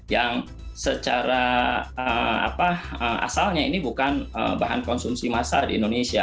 yang secara asalnya ini bukan bahan konsumsi masal di indonesia